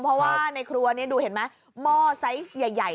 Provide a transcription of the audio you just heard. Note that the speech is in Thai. เพราะว่าในครัวนี้ดูเห็นไหมหม้อไซส์ใหญ่